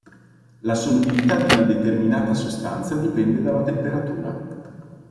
La solubilità di una determinata sostanza dipende dalla temperatura.